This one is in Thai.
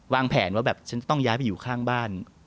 วางแผนว่าแบบฉันต้องย้ายไปอยู่ข้างบ้าน